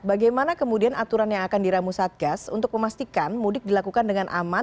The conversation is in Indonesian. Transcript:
bagaimana kemudian aturan yang akan diramu satgas untuk memastikan mudik dilakukan dengan aman